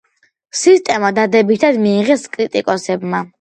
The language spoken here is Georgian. სისტემა დადებითად მიიღეს კრიტიკოსებმა.